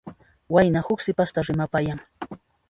Wayna huk sipasta rimapayan.